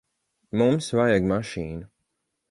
Mums vajag mašīnu.